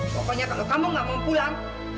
pokoknya kalau kamu nggak mau pulang